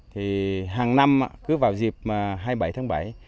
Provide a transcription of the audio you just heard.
thì hàng năm cứ vào dịp hai mươi bảy tháng bảy